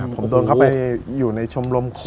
ผมโดนเข้าไปอยู่ในชมรมคอ